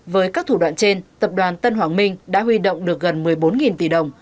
với các thủ đoạn trên tập đoàn tân hoàng minh đã huy động được gần một mươi bốn tỷ đồng